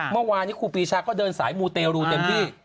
เมื่อวานนี้ครูปีชาก็เดินสายมูเตรูเต็มที่